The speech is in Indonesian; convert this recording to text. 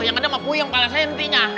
yang ada mah kuyong palasnya intinya